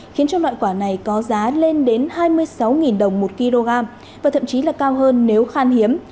khiến cho loại quả này có giá lên đến hai mươi sáu đồng một kg và thậm chí là cao hơn nếu khan hiếm